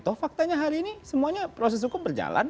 toh faktanya hari ini semuanya proses hukum berjalan